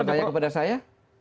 tapi gak bertanya kepada saya